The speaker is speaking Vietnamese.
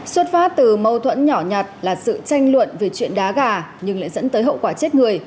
xuất phát từ mâu thuẫn nhỏ nhặt là sự tranh luận về chuyện đá gà nhưng lại dẫn tới hậu quả chết người